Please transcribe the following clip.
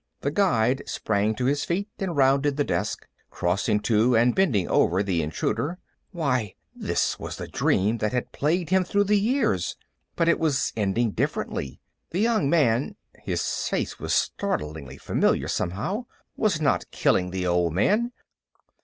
The Guide sprang to his feet and rounded the desk, crossing to and bending over the intruder. Why, this was the dream that had plagued him through the years. But it was ending differently. The young man his face was startlingly familiar, somehow was not killing the old man.